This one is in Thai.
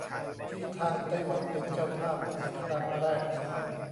ที่ทางไต้หวันเป็นเจ้าภาพในครั้งแรกนี้